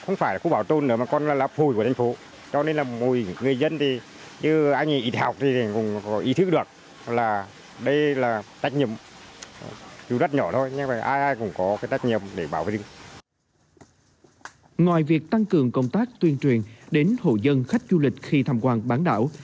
ngoài việc tăng cường công tác tuyên truyền đến hộ dân khách du lịch khi tham quan bán đảo